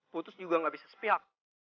putus juga gak bisa sepihak